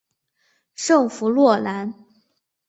圣弗洛兰。